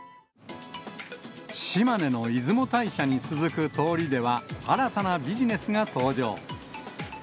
島根の出雲大社に続く通りでは、新たなビジネスが登場。